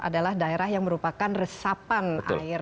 adalah daerah yang merupakan resapan air